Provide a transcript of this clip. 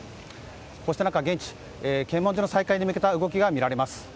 こうした中、現地では検問所の再開に向けた動きが見られます。